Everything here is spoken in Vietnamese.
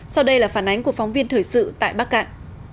sau đây là phản ánh của phóng viên thời sự tại bắc cạn